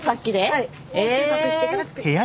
はい収穫してから作りました。